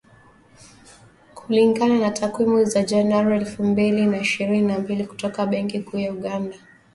Kulingana na takwimu za Januari elfu mbili na ishirini na mbili kutoka Benki Kuu ya Uganda